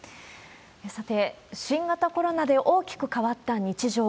さて、新型コロナで大きく変わった日常。